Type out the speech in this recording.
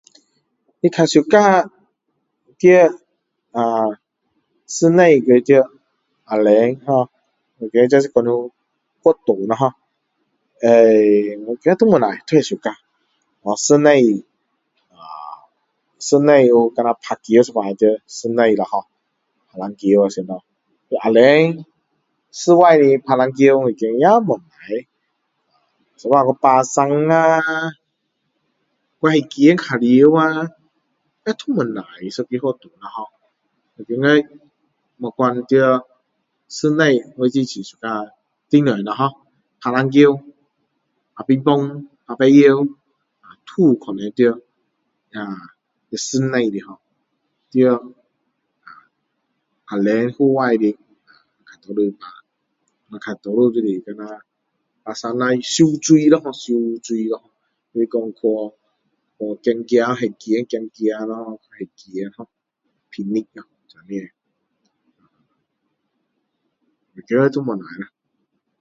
我较喜欢跑啊室内呀跑外面ho我觉得是活动咯ho呃…我觉得都不错都会喜欢哦室内呃…室内有像那打球有时候会在室内里ho打篮球什么外面室外的打篮球我觉得也不错有时候还爬山啦去海边玩啊也都不错的一个活动ho我觉得不管在室内我就是很喜欢动动ho打篮球打乒乓打排球都可能在那室内的ho在呃外面户外的大多数打大多数都是像那啊三游泳咯游泳你说去走走走海边走走咯海边ho picnic这样我觉得都不错啦